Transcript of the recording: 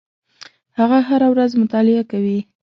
هغه هره ورځ مطالعه کوي.